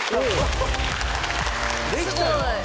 できたよ！